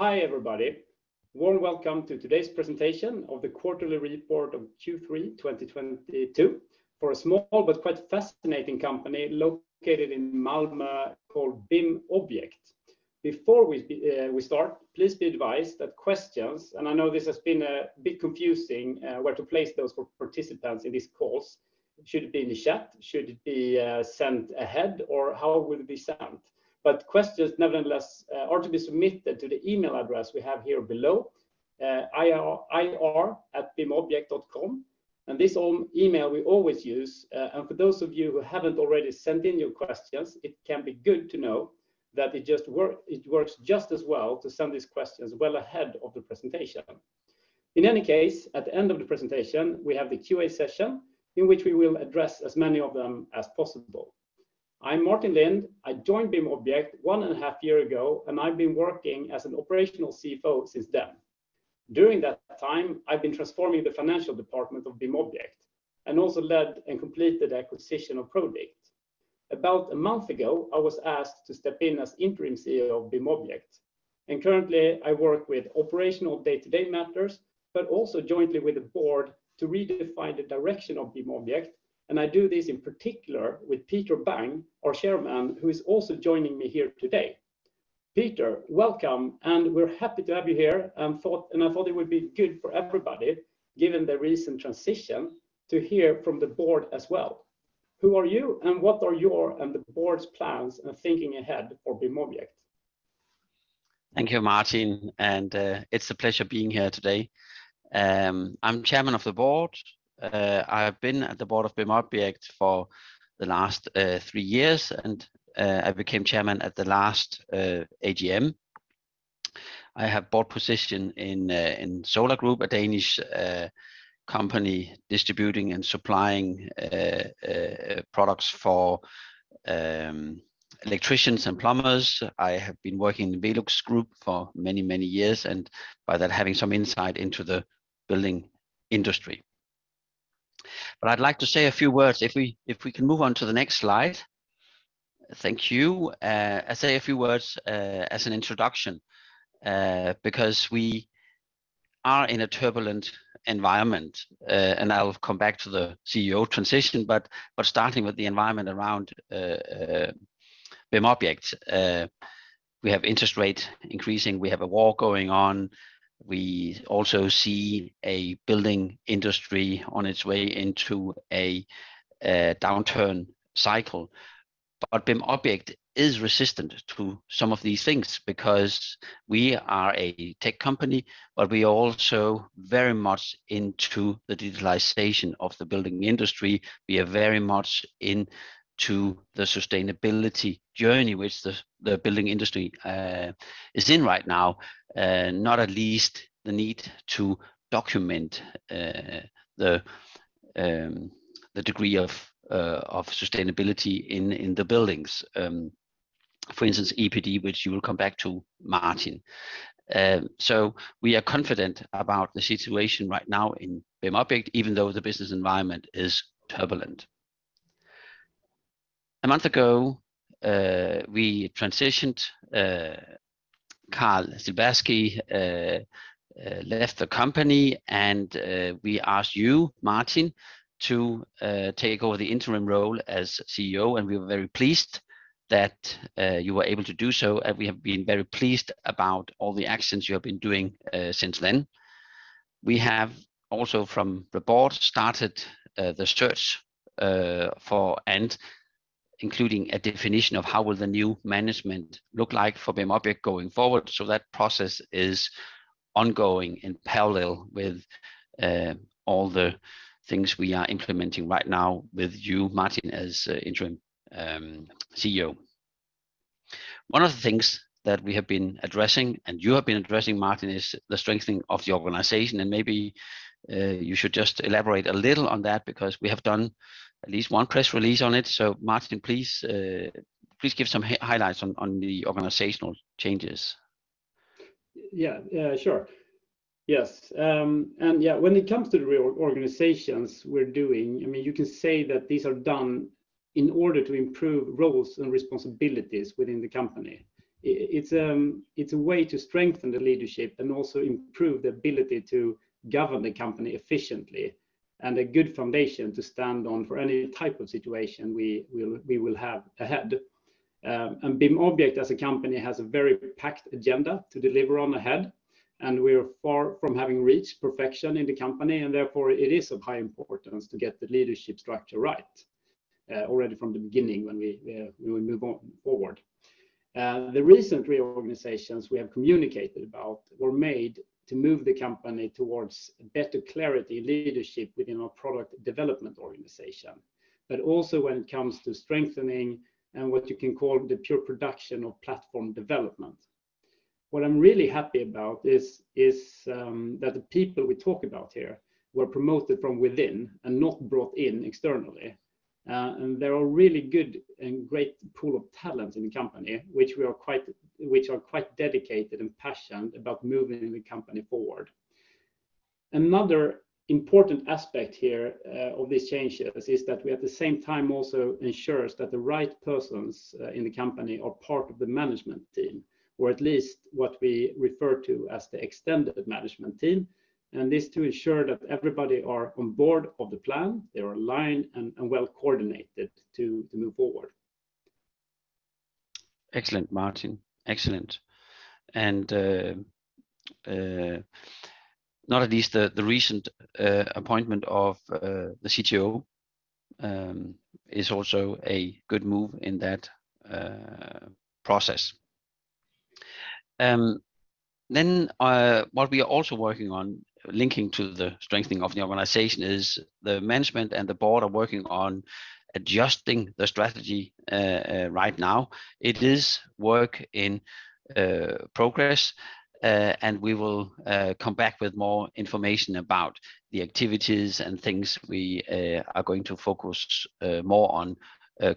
Hi, everybody. Warm welcome to today's presentation of the quarterly report of Q3 2022 for a small but quite fascinating company located in Malmö called BIMobject. Before we start, please be advised that questions, and I know this has been a bit confusing, where to place those for participants in this course. Should it be in the chat? Should it be sent ahead? Or how will it be sent? Questions nevertheless are to be submitted to the email address we have here below, ir@bimobject.com. This email we always use. For those of you who haven't already sent in your questions, it can be good to know that it works just as well to send these questions well ahead of the presentation. In any case, at the end of the presentation, we have the Q&A session, in which we will address as many of them as possible. I'm Martin Lindh. I joined BIMobject one and a half years ago, and I've been working as an operational CFO since then. During that time, I've been transforming the financial department of BIMobject and also led and completed the acquisition of Prodikt. About a month ago, I was asked to step in as Interim CEO of BIMobject, and currently, I work with operational day-to-day matters, but also jointly with the board to redefine the direction of BIMobject, and I do this in particular with Peter Bang, our Chairman, who is also joining me here today. Peter, welcome, and we're happy to have you here. I thought it would be good for everybody, given the recent transition, to hear from the board as well. Who are you, and what are your and the board's plans and thinking ahead for BIMobject? Thank you, Martin, and it's a pleasure being here today. I'm chairman of the board. I have been at the board of BIMobject for the last three years and I became chairman at the last AGM. I have board position in Solar Group, a Danish company distributing and supplying products for electricians and plumbers. I have been working in VELUX Group for many, many years and by that having some insight into the building industry. I'd like to say a few words. If we can move on to the next slide. Thank you. I say a few words as an introduction because we are in a turbulent environment and I'll come back to the CEO transition, but starting with the environment around BIMobject. We have interest rates increasing. We have a war going on. We also see a building industry on its way into a downturn cycle. BIMobject is resistant to some of these things because we are a tech company, but we are also very much into the digitalization of the building industry. We are very much into the sustainability journey which the building industry is in right now, not least the need to document the degree of sustainability in the buildings. For instance, EPD, which you will come back to, Martin. We are confident about the situation right now in BIMobject, even though the business environment is turbulent. A month ago, we transitioned. Carl Silbersky left the company, and we asked you, Martin, to take over the interim role as CEO, and we were very pleased that you were able to do so and we have been very pleased about all the actions you have been doing since then. We have also from the board started the search for and including a definition of how will the new management look like for BIMobject going forward. That process is ongoing in parallel with all the things we are implementing right now with you, Martin, as interim CEO. One of the things that we have been addressing, and you have been addressing, Martin, is the strengthening of the organization and maybe you should just elaborate a little on that because we have done at least one press release on it. Martin, please give some highlights on the organizational changes. Yeah, yeah, sure. Yes. Yeah, when it comes to the reorganizations we're doing, I mean, you can say that these are done in order to improve roles and responsibilities within the company. It's a way to strengthen the leadership and also improve the ability to govern the company efficiently and a good foundation to stand on for any type of situation we will have ahead. BIMobject as a company has a very packed agenda to deliver on ahead and we are far from having reached perfection in the company, and therefore, it is of high importance to get the leadership structure right, already from the beginning when we move on forward. The recent reorganizations we have communicated about were made to move the company towards better clarity leadership within our product development organization, but also when it comes to strengthening and what you can call the pure production of platform development. What I'm really happy about is that the people we talk about here were promoted from within and not brought in externally. There are really good and great pool of talent in the company, which are quite dedicated and passionate about moving the company forward. Another important aspect here of these changes is that we at the same time also ensures that the right persons in the company are part of the management team or at least what we refer to as the extended management team. This to ensure that everybody are on board of the plan, they are aligned and well coordinated to move forward. Excellent, Martin. Excellent. Not least the recent appointment of the CTO is also a good move in that process. What we are also working on linking to the strengthening of the organization is the management and the board are working on adjusting the strategy right now. It is work in progress, and we will come back with more information about the activities and things we are going to focus more on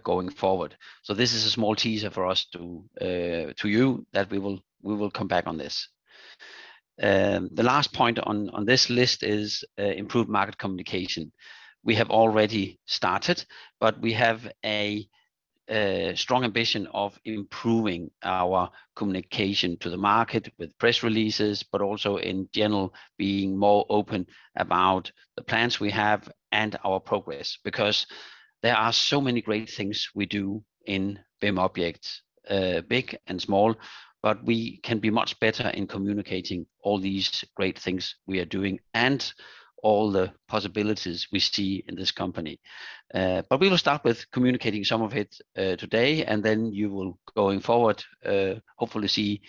going forward. This is a small teaser for us to you that we will come back on this. The last point on this list is improved market communication. We have already started, but we have a strong ambition of improving our communication to the market with press releases, but also in general being more open about the plans we have and our progress. Because there are so many great things we do in BIMobject, big and small, but we can be much better in communicating all these great things we are doing and all the possibilities we see in this company. We will start with communicating some of it, today, and then you will, going forward, hopefully see,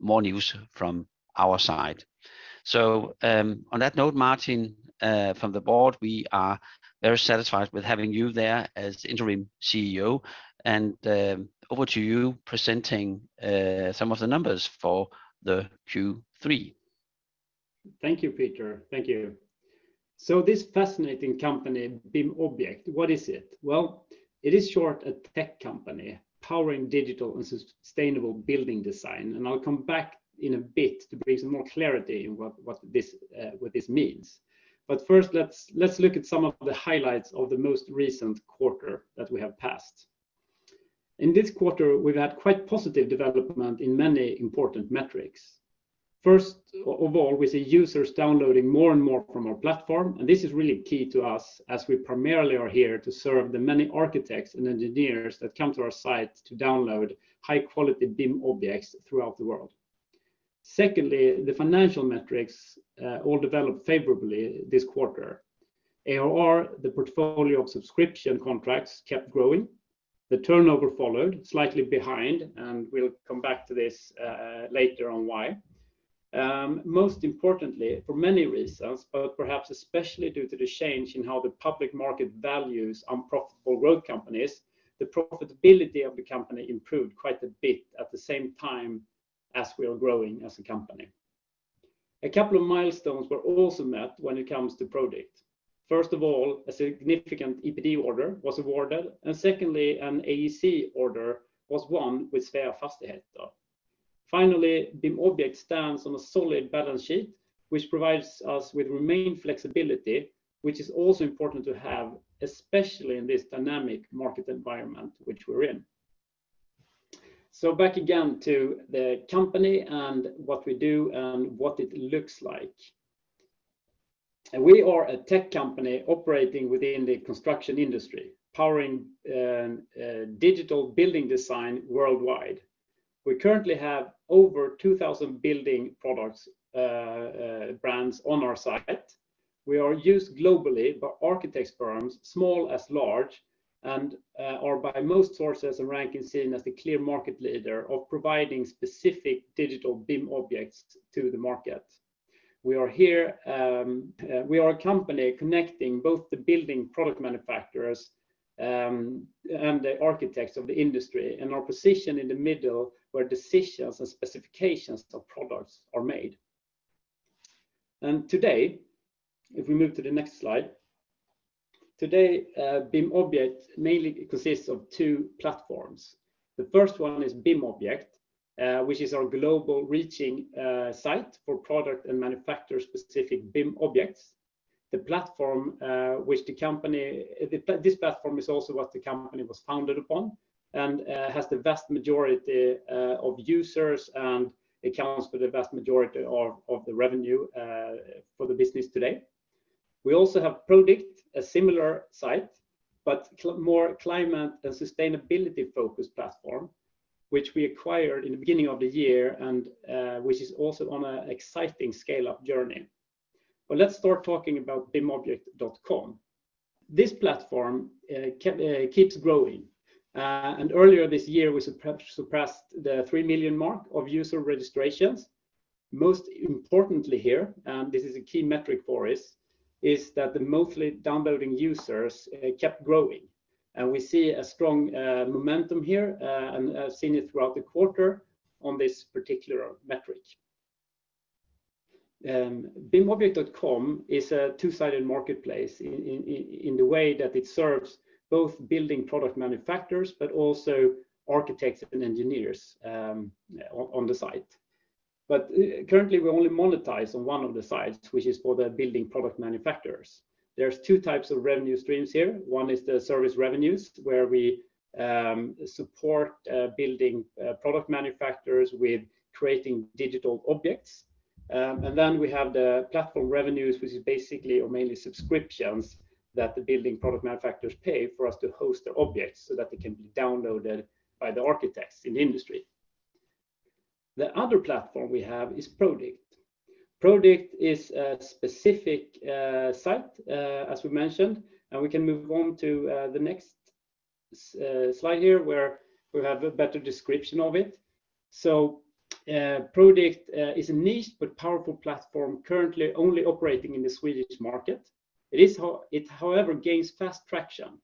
more news from our side. On that note, Martin Lindh, from the board, we are very satisfied with having you there as the Interim CEO. Over to you presenting some of the numbers for the Q3. Thank you, Peter. Thank you. This fascinating company, BIMobject, what is it? Well, it is sort of a tech company powering digital and sustainable building design. I'll come back in a bit to bring some more clarity in what this means. First, let's look at some of the highlights of the most recent quarter that we have passed. In this quarter, we've had quite positive development in many important metrics. First of all, we see users downloading more and more from our platform, and this is really key to us as we primarily are here to serve the many architects and engineers that come to our site to download high-quality BIM objects throughout the world. Secondly, the financial metrics all developed favorably this quarter. ARR, the portfolio of subscription contracts, kept growing. The turnover followed, slightly behind, and we'll come back to this, later on why. Most importantly, for many reasons, but perhaps especially due to the change in how the public market values unprofitable growth companies, the profitability of the company improved quite a bit at the same time as we are growing as a company. A couple of milestones were also met when it comes to product. First of all, a significant EPD order was awarded, and secondly, an AEC order was won with Sveafastigheter. Finally, BIMobject stands on a solid balance sheet, which provides us with remaining flexibility, which is also important to have, especially in this dynamic market environment which we're in. Back again to the company and what we do and what it looks like. We are a tech company operating within the construction industry, powering digital building design worldwide. We currently have over 2,000 building products, brands on our site. We are used globally by architects firms, small and large, and are by most sources and rankings seen as the clear market leader of providing specific digital BIM objects to the market. We are a company connecting both the building product manufacturers, and the architects of the industry and our position in the middle where decisions and specifications of products are made. Today, if we move to the next slide, today, BIMobject mainly consists of two platforms. The first one is BIMobject, which is our global reaching site for product and manufacturer-specific BIM objects. This platform is also what the company was founded upon and has the vast majority of users and accounts for the vast majority of the revenue for the business today. We also have Prodikt, a similar site, more climate and sustainability-focused platform, which we acquired in the beginning of the year and which is also on an exciting scale-up journey. Let's start talking about BIMobject.com. This platform keeps growing. Earlier this year, we surpassed the 3 million mark of user registrations. Most importantly here, and this is a key metric for us, is that the monthly downloading users kept growing. We see a strong momentum here and we've seen it throughout the quarter on this particular metric. BIMobject.com is a two-sided marketplace in the way that it serves both building product manufacturers, but also architects and engineers on the site. Currently we only monetize on one of the sides, which is for the building product manufacturers. There are two types of revenue streams here. One is the service revenues, where we support building product manufacturers with creating digital objects. Then we have the platform revenues, which is basically or mainly subscriptions that the building product manufacturers pay for us to host the objects so that they can be downloaded by the architects in the industry. The other platform we have is Prodikt. Prodikt is a specific site as we mentioned, and we can move on to the next slide here, where we have a better description of it. Prodikt is a niche but powerful platform currently only operating in the Swedish market. It, however, gains fast traction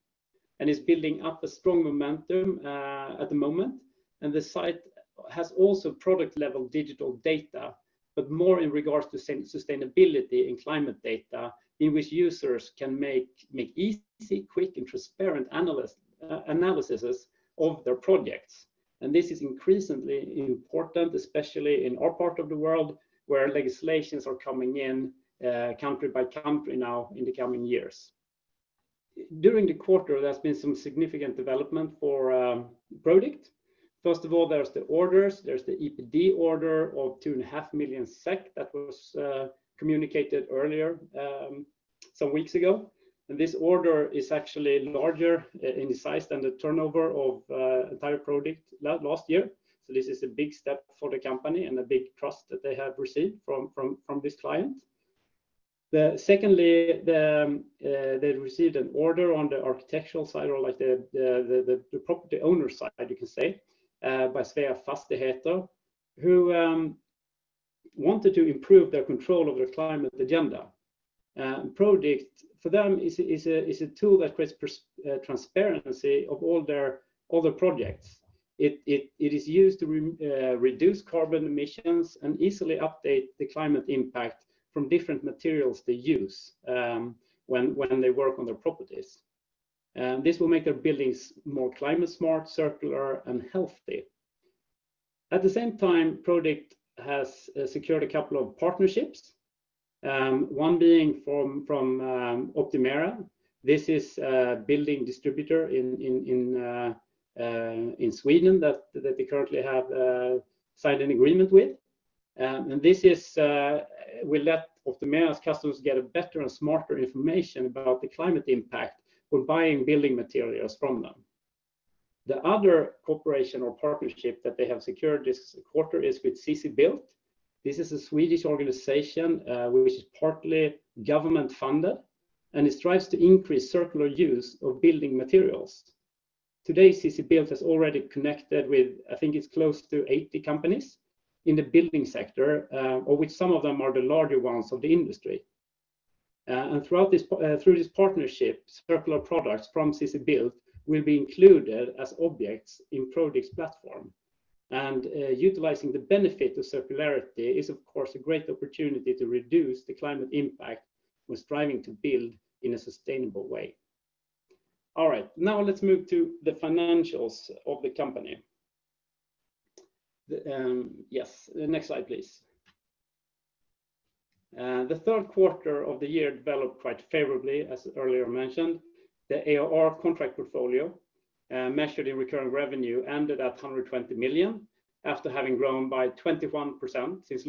and is building up a strong momentum at the moment. The site has also product-level digital data, but more in regards to sustainability and climate data, in which users can make easy, quick, and transparent analyses of their projects. This is increasingly important, especially in our part of the world, where legislations are coming in country by country now in the coming years. During the quarter, there's been some significant development for Prodikt. First of all, there's the EPD order of 2.5 million SEK that was communicated earlier some weeks ago. This order is actually larger in size than the turnover of entire Prodikt last year. This is a big step for the company and a big trust that they have received from this client. Secondly, they've received an order on the architectural side or like the owner side, you can say, by Sveafastigheter, who wanted to improve their control of their climate agenda. Prodikt for them is a tool that creates transparency of all their other projects. It is used to reduce carbon emissions and easily update the climate impact from different materials they use, when they work on their properties. This will make their buildings more climate smart, circular, and healthy. At the same time, Prodikt has secured a couple of partnerships, one being from Optimera. This is a building distributor in Sweden that they currently have signed an agreement with. This will let Optimera's customers get a better and smarter information about the climate impact when buying building materials from them. The other cooperation or partnership that they have secured this quarter is with CCBuild. This is a Swedish organization which is partly government-funded, and it strives to increase circular use of building materials. Today, CCBuild has already connected with, I think it's close to 80 companies in the building sector, of which some of them are the larger ones of the industry. Through this partnership, circular products from CCBuild will be included as objects in Prodikt's platform. Utilizing the benefit of circularity is, of course, a great opportunity to reduce the climate impact when striving to build in a sustainable way. All right, now let's move to the financials of the company. Next slide, please. The third quarter of the year developed quite favorably, as earlier mentioned. The ARR contract portfolio, measured in recurring revenue, ended at 120 million after having grown by 21% since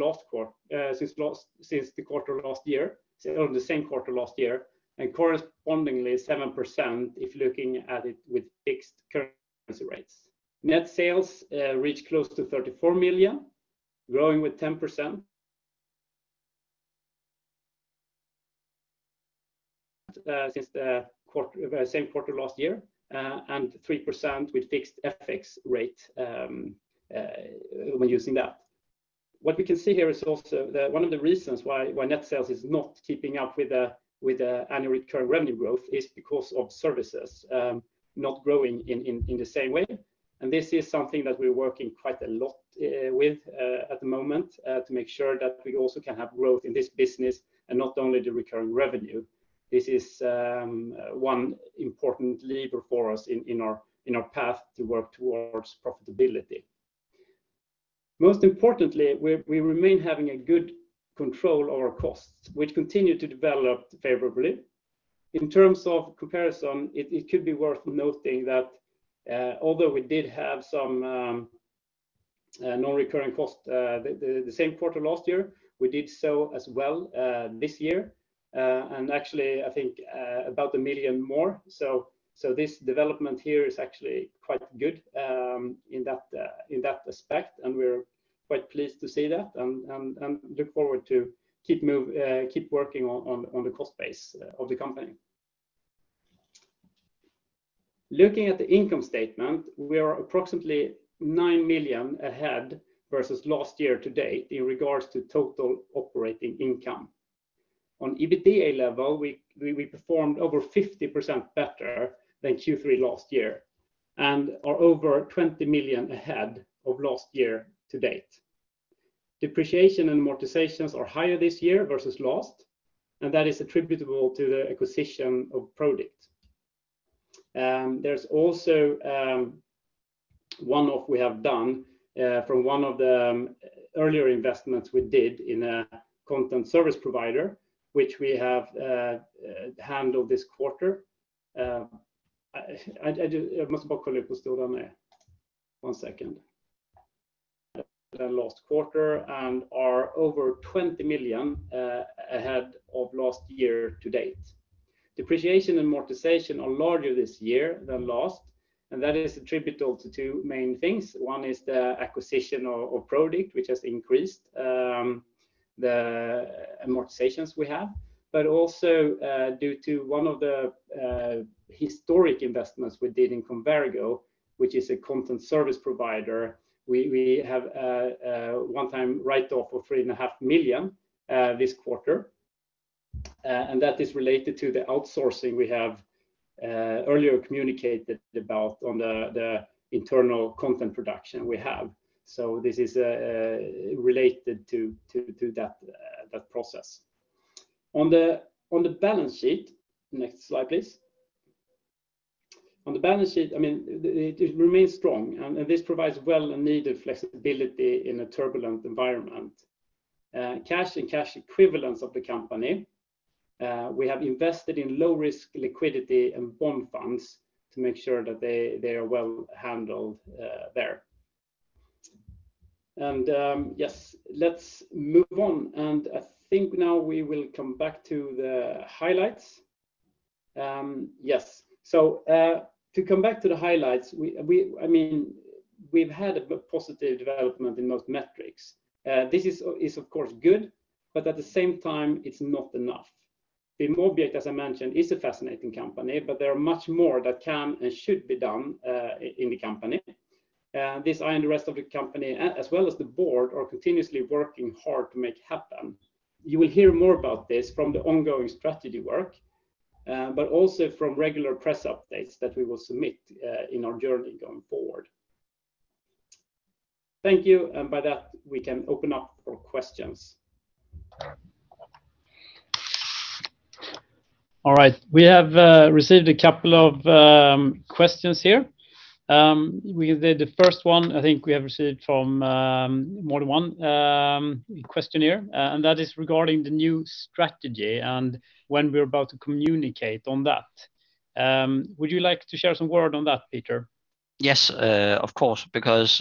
the same quarter last year and correspondingly 7% if looking at it with fixed currency rates. Net sales reached close to 34 million, growing with 10% since the same quarter last year, and 3% with fixed FX rate when using that. What we can see here is also one of the reasons why net sales is not keeping up with the annual recurring revenue growth is because of services not growing in the same way. This is something that we're working quite a lot with at the moment to make sure that we also can have growth in this business and not only the recurring revenue. This is one important lever for us in our path to work towards profitability. Most importantly, we remain having a good control of our costs, which continue to develop favorably. In terms of comparison, it could be worth noting that although we did have some non-recurring cost, the same quarter last year, we did so as well this year, and actually I think about 1 million more. This development here is actually quite good in that aspect, and we're quite pleased to see that and look forward to keep working on the cost base of the company. Looking at the income statement, we are approximately 9 million ahead versus last year to date in regards to total operating income. On EBITDA level, we performed over 50% better than Q3 last year and are over 20 million ahead of last year to date. Depreciation and amortization are larger this year than last and that is attributable to two main things. One is the acquisition of Prodikt, which has increased the amortizations we have. Also, due to one of the historic investments we did in Convergo, which is a content service provider, we have a one-time write-off of 3.5 million this quarter. That is related to the outsourcing we have earlier communicated about on the internal content production we have. This is related to that process. On the balance sheet, next slide please. On the balance sheet, I mean, it remains strong and this provides well and needed flexibility in a turbulent environment. Cash and cash equivalents of the company, we have invested in low risk liquidity and bond funds to make sure that they are well handled there. Yes, let's move on. I think now we will come back to the highlights. Yes. To come back to the highlights, I mean, we've had a positive development in most metrics. This is of course good, but at the same time it's not enough. BIMobject, as I mentioned, is a fascinating company, but there are much more that can and should be done in the company. This, I and the rest of the company, as well as the board, are continuously working hard to make happen. You will hear more about this from the ongoing strategy work, but also from regular press updates that we will submit in our journey going forward. Thank you. By that, we can open up for questions. All right. We have received a couple of questions here. We did the first one I think we have received from more than one questionnaire, and that is regarding the new strategy and when we're about to communicate on that. Would you like to share some word on that, Peter? Yes, of course, because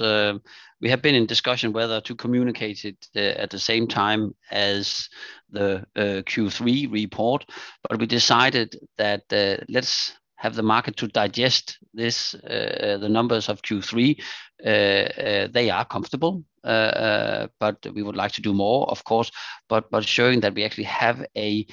we have been in discussion whether to communicate it at the same time as the Q3 report, but we decided that let's have the market to digest this, the numbers of Q3. They are comfortable, but we would like to do more, of course, but showing that we actually have a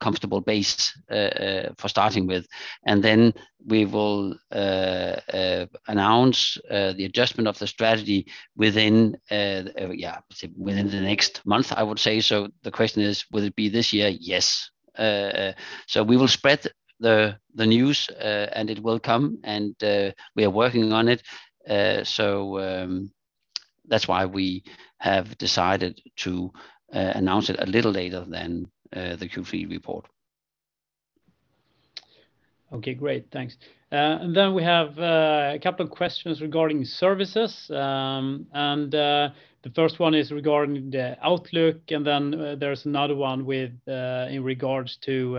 comfortable base for starting with. Then we will announce the adjustment of the strategy within, yeah, within the next month, I would say. The question is, will it be this year? Yes. We will spread the news, and it will come and we are working on it. That's why we have decided to announce it a little later than the Q3 report. Okay, great. Thanks. We have a couple of questions regarding services. The first one is regarding the outlook, and then there's another one with in regards to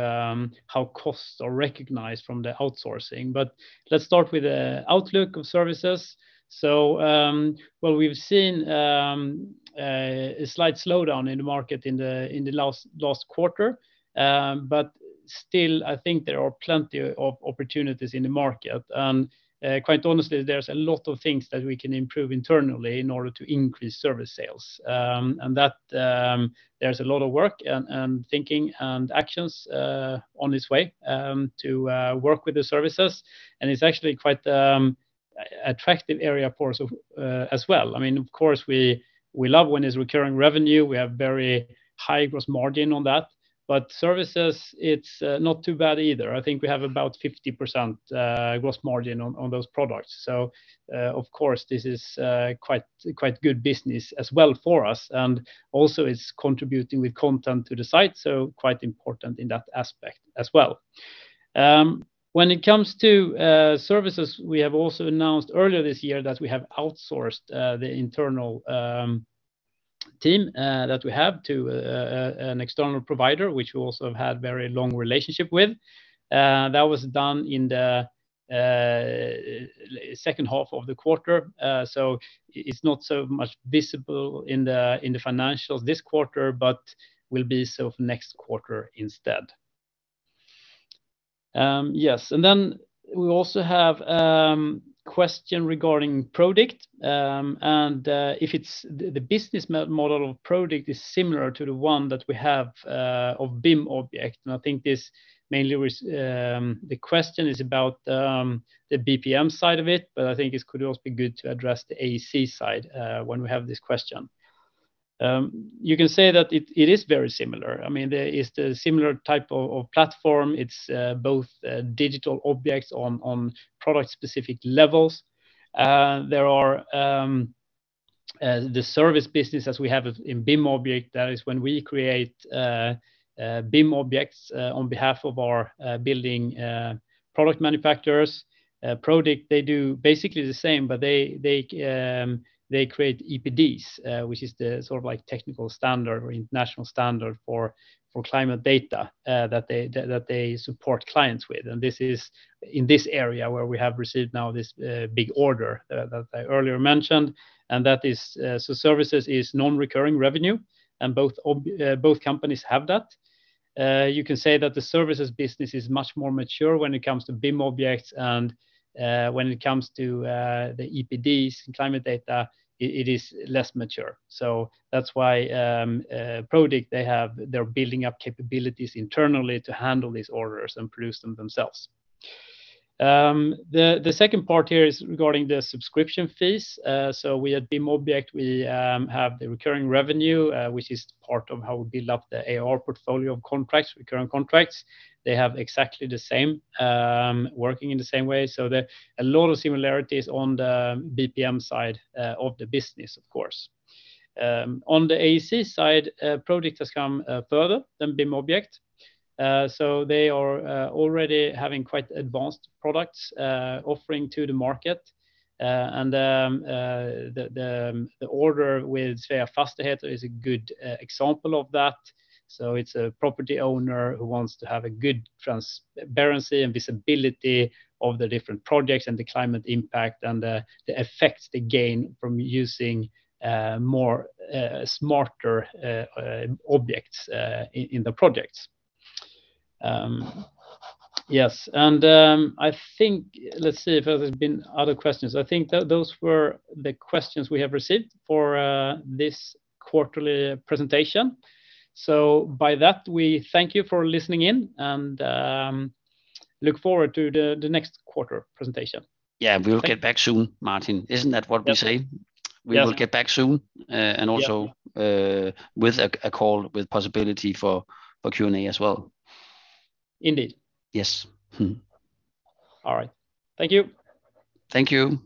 how costs are recognized from the outsourcing. Let's start with the outlook of services. Well, we've seen a slight slowdown in the market in the last quarter. Still, I think there are plenty of opportunities in the market. Quite honestly, there's a lot of things that we can improve internally in order to increase service sales. And there's a lot of work and thinking and actions in this way to work with the services. It's actually quite attractive area for us as well. I mean, of course we love when it's recurring revenue. We have very high gross margin on that. Services, it's not too bad either. I think we have about 50% gross margin on those products. Of course this is quite good business as well for us, and also it's contributing with content to the site, so quite important in that aspect as well. When it comes to services, we have also announced earlier this year that we have outsourced the internal team that we have to an external provider, which we also have had very long relationship with. That was done in the second half of the quarter. It's not so much visible in the financials this quarter, but will be so for next quarter instead. Yes. Then we also have a question regarding Prodikt and if its business model is similar to the one that we have of BIMobject. I think the question is about the BPM side of it, but I think it could also be good to address the AEC side when we have this question. You can say that it is very similar. I mean, there is the similar type of platform. It's both digital objects on product specific levels. There are the service business as we have in BIMobject, that is when we create BIM objects on behalf of our building product manufacturers. Prodikt, they do basically the same, but they create EPDs, which is the sort of like technical standard or international standard for climate data that they support clients with. This is in this area where we have received now this big order that I earlier mentioned. Services is non-recurring revenue, and both companies have that. You can say that the services business is much more mature when it comes to BIM objects and when it comes to the EPDs and climate data, it is less mature. That's why Prodikt, they have, they're building up capabilities internally to handle these orders and produce them themselves. The second part here is regarding the subscription fees. We at BIMobject have the recurring revenue, which is part of how we build up the AR portfolio of contracts, recurring contracts. They have exactly the same working in the same way. There's a lot of similarities on the BPM side of the business, of course. On the AEC side, Prodikt has come further than BIMobject. They are already having quite advanced products offering to the market. The order with Sveafastigheter is a good example of that. It's a property owner who wants to have a good transparency and visibility of the different projects and the climate impact and the effects they gain from using more smarter objects in the projects. Yes. Let's see if there's been other questions. I think those were the questions we have received for this quarterly presentation. By that, we thank you for listening in, and look forward to the next quarter presentation. Yeah. We will get back soon, Martin. Isn't that what we say? Yes, sir. We will get back soon. Yeah with a call with possibility for Q&A as well. Indeed. Yes. Mm-hmm. All right. Thank you. Thank you.